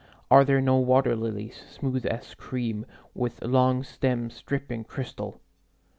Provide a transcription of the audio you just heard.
Are there no water lilies, smooth as cream, With long stems dripping crystal?